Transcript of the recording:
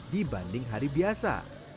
dibanding hari biasa